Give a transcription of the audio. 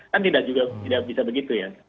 kan tidak juga tidak bisa begitu ya